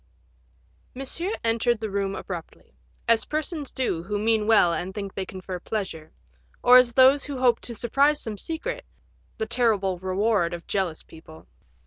Monsieur entered the room abruptly, as persons do who mean well and think they confer pleasure, or as those who hope to surprise some secret, the terrible reward of jealous people.